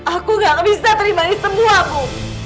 aku gak bisa terima ini semua bu